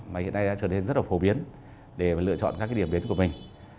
mà hiện nay đã trở nên rất là phổ biến để lựa chọn các cái điểm đến của mình